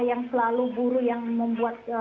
yang selalu buruh yang membuat